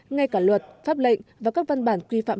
ngay cả luật pháp lệnh và các văn bản quy phạm